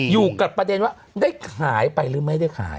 อยู่กับประเด็นว่าได้ขายไปหรือไม่ได้ขาย